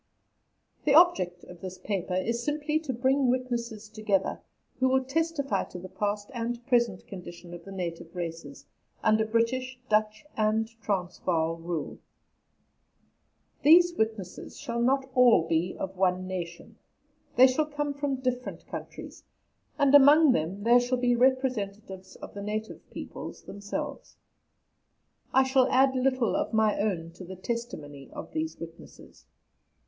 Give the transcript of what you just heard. The object of this paper is simply to bring witnesses together who will testify to the past and present condition of the native races under British, Dutch, and Transvaal rule. These witnesses shall not be all of one nation; they shall come from different countries, and among them there shall be representatives of the native peoples themselves. I shall add little of my own to the testimony of these witnesses.